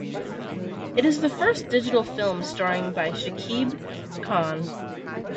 It is the first digital film starring by Shakib Khan.